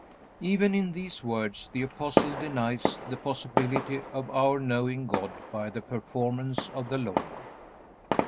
Even in these words the Apostle denies the possibility of our knowing God by the performance of the Law.